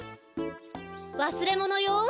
わすれものよ。